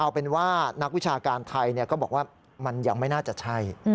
เอาเป็นว่านักวิชาการไทยก็บอกว่ามันยังไม่น่าจะใช่